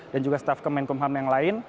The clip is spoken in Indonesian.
dan juga staf kemenkum ham yang lain